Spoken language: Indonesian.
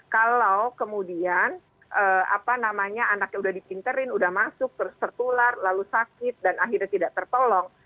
kalau kemudian apa namanya anaknya udah dipinterin udah masuk terus tertular lalu sakit dan akhirnya tidak tertolong